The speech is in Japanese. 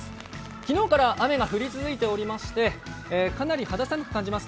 昨日から雨が降り続いておりまして、かなり肌寒く感じます。